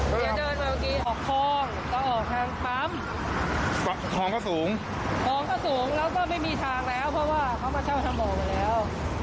เดี๋ยวเดินไปบางทีออกคลองก็ออกทางปั๊มคลองก็สูงทองก็สูงแล้วก็ไม่มีทางแล้วเพราะว่าเขามาเช่าทางออกแล้ว